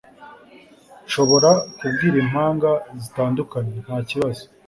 Nshobora kubwira impanga zitandukanye, ntakibazo.